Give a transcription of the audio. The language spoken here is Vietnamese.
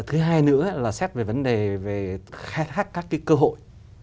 thứ hai nữa là xét về vấn đề về khai thác các cái cơ hội